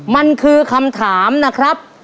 มันคือคำถามนะครับ